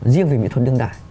về nghệ thuật đương đại